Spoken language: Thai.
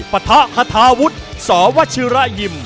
ปะทะฮะทาวุฒสอวชิระยิม